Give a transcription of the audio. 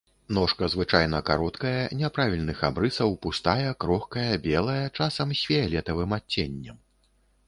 Ножка звычайна кароткая, няправільных абрысаў, пустая, крохкая, белая, часам з фіялетавым адценнем.